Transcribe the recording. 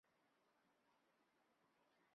叔向没有理会他。